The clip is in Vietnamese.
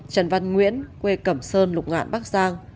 trần văn nguyễn quê cẩm sơn lục ngạn bắc giang